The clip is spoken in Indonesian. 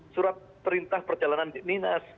surat perintah perjalanan dinas